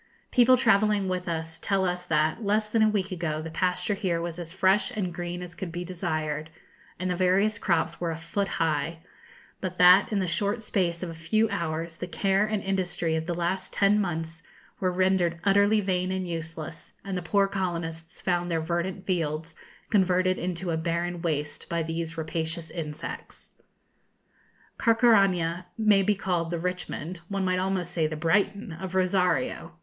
People travelling with us tell us that, less than a week ago, the pasture here was as fresh and green as could be desired, and the various crops were a foot high; but that, in the short space of a few hours, the care and industry of the last ten months were rendered utterly vain and useless, and the poor colonists found their verdant fields converted into a barren waste by these rapacious insects. Carcaraña may be called the Richmond one might almost say the Brighton of Rosario.